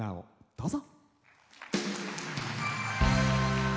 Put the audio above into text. どうぞ。